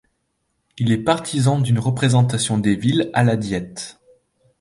Il est partisan d'une représentation des villes à la Diète.